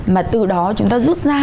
mà từ đó chúng ta rút ra